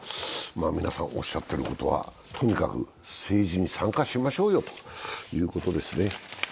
皆さんおっしゃっていることは、とにかく政治に参加しましょうよということですね。